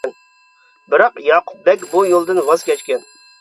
بىراق ياقۇپ بەگ بۇ يولدىن ۋاز كەچكەن.